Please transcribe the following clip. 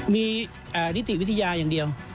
มีนิติวิทยาอย่างเดียว